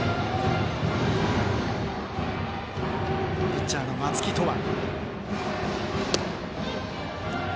ピッチャーの松木翔和。